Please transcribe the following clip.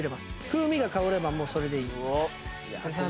風味が香ればもうそれでいい。